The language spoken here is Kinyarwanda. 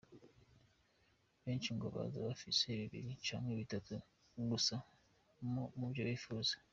Benshi ngo baza bafise bibiri canke bitatu gusa mu vyo yipfuza.